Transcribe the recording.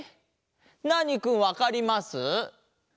ナーニくんわかります？